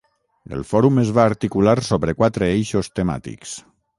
El fòrum es va articular sobre quatre eixos temàtics.